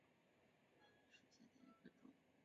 龙头黄芩为唇形科黄芩属下的一个种。